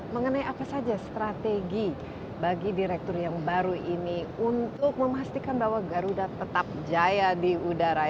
mengenai apa saja strategi bagi direktur yang baru ini untuk memastikan bahwa garuda tetap jaya di udara